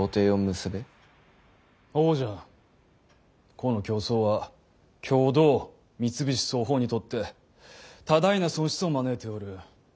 この競争は共同三菱双方にとって多大な損失を招いておる。